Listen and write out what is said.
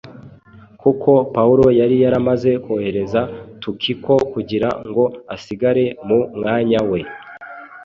kuko Pawulo yari yaramaze kohereza Tukiko kugira ngo asigare mu mwanya we.